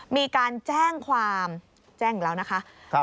มีการแจ้งความแจ้งอีกแล้วนะคะ